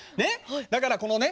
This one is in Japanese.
だからこのね